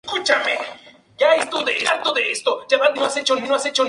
Habitan en el interior de selvas húmedas, principalmente de baja altitud.